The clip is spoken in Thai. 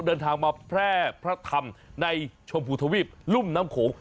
เดินทางมาแพร่พระธรรมในชมพูทวีปลุ่มน้ำโขง